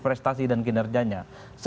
prestasi dan kinerjanya